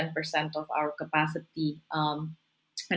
kurang dari sepuluh kapasitas